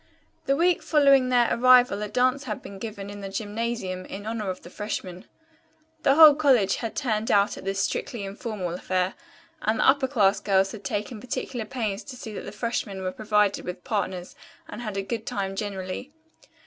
The week following their arrival a dance had been given in the gymnasium in honor of the freshmen. The whole college had turned out at this strictly informal affair, and the upper class girls had taken particular pains to see that the freshmen were provided with partners and had a good time generally.